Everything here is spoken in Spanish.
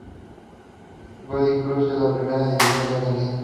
Godoy Cruz de la Primera División de Argentina